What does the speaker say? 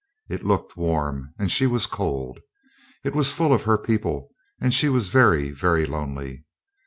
It looked warm, and she was cold. It was full of her people, and she was very, very lonely.